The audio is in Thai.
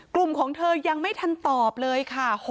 กลุ่มของเธอยังไม่ทันตอบเลยค่ะ